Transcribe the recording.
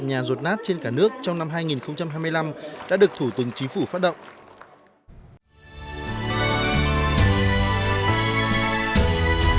nhà rột nát trên cả nước trong năm hai nghìn hai mươi năm đã được thủ tướng chính phủ phát động